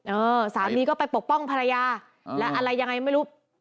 เออสามีก็ไปปกป้องภรรยาและอะไรยังไงไม่รู้